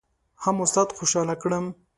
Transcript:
هم استاد خوشحاله کړم.